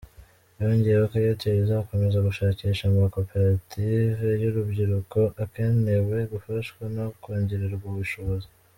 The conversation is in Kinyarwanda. Yongeyeho ko Airtel izakomeza gushakisha amakoperative y’urubyiruko akenewe gufashwa no kongererwa ubushobozi.